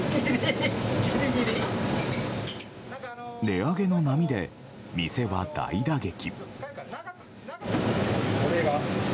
値上げの波で店は大打撃。